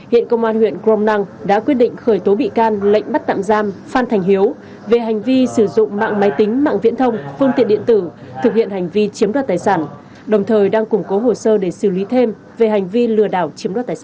hiện công an huyện crom năng đã quyết định khởi tố bị can lệnh bắt tạm giam phan thành hiếu về hành vi sử dụng mạng máy tính mạng viễn thông phương tiện điện tử thực hiện hành vi chiếm đoạt tài sản đồng thời đang củng cố hồ sơ để xử lý thêm về hành vi lừa đảo chiếm đoạt tài sản